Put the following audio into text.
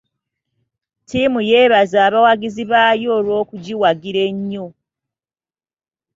Ttiimu yeebaza abawagizi baayo olw'okugiwagira ennyo.